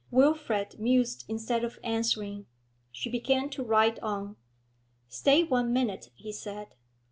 Wilfrid mused instead of answering. She began to ride on. 'Stay one minute,' he said.